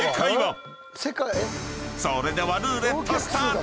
［それではルーレットスタート！］